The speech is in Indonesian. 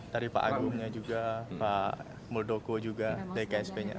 tadi pak agungnya juga pak muldoko juga tksp nya